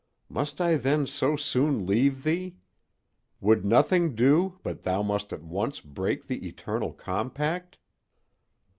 must I then so soon leave thee? Would nothing do but thou must at once break the eternal compact?"